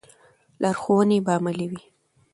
لارښوونې به عملي وي.